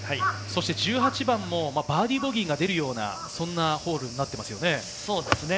１８番もバーディーボギーが出るようなホールになっていますよね。